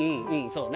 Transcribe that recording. そうね。